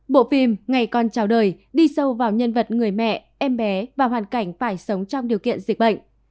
bộ phim ngày con trào đời đi sâu vào nhân vật người mẹ em bé và hoàn cảnh phải sống trong điều kiện dịch bệnh